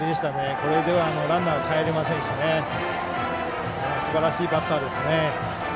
これではランナーかえれませんしすばらしいバッターです。